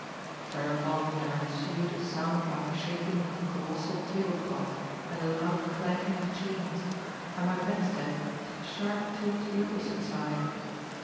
whereupon there ensued a sound like the shaking of colossal table cloths and the loud clanking of chains, and my bedstead took a sharp tilt to the opposite side.